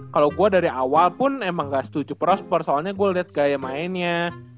kalau gue dari awal pun emang gak setuju prosper soalnya gue liat gaya mainnya